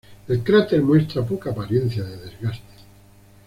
El cráter muestra poca apariencia de desgaste.